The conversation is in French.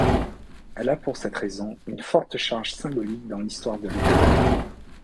Elle a pour cette raison une forte charge symbolique dans l'histoire de l'Ukraine.